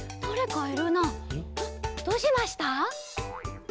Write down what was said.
どうしました？